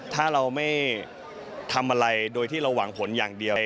ถ้าเราไม่ทำอะไรโดยที่เราหวังผลอย่างเดียว